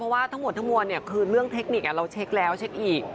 ว่าทั้งหมดทั้งมวลคือเรื่องเทคนิคเราเช็คแล้วเช็คอีก